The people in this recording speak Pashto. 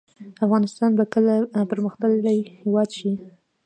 افغانستان به کله پرمختللی هیواد شي؟